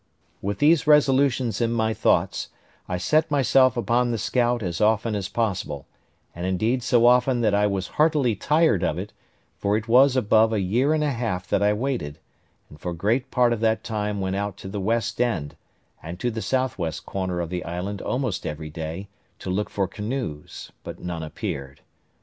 With these resolutions in my thoughts, I set myself upon the scout as often as possible, and indeed so often that I was heartily tired of it; for it was above a year and a half that I waited; and for great part of that time went out to the west end, and to the south west corner of the island almost every day, to look for canoes, but none appeared.